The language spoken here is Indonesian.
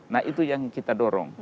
nah itu yang kita dorong